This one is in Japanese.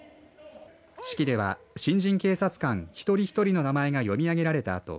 式では新人警察官一人一人の名前が読み上げられたあと